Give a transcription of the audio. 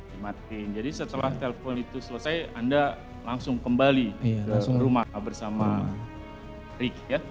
dimatiin jadi setelah telepon itu selesai anda langsung kembali ke rumah bersama rick ya